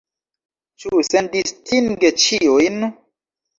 Ĉu sendistinge ĉiujn?